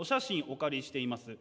お借りしています。